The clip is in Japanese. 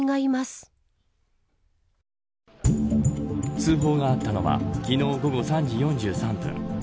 通報があったのは昨日午後３時４３分